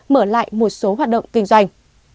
mở lại một số hoạt động kinh doanh